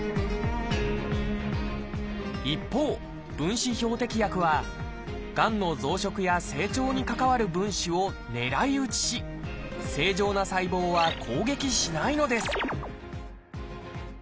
一方分子標的薬はがんの増殖や成長に関わる分子を狙い撃ちし正常な細胞は攻撃しないのです